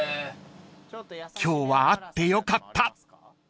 ［今日はあってよかった］